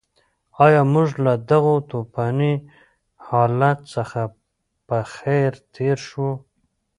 ایا موږ له دغه توپاني حالت څخه په خیر تېر شوو؟